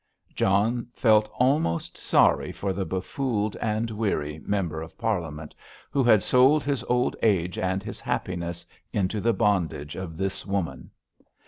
John felt almost sorry for the befooled and weary Member of Parliament, who had sold his old age and his happiness into the bondage of this woman.